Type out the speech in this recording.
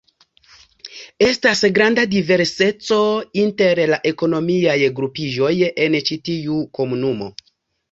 Estas granda diverseco inter la ekonomiaj grupiĝoj en ĉi tiu komunumo.